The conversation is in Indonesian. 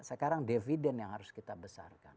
sekarang dividen yang harus kita besarkan